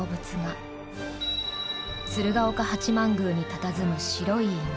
鶴岡八幡宮にたたずむ白い犬。